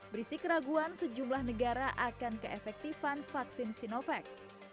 berisi keraguan sejumlah negara akan keefektifan vaksin sinovac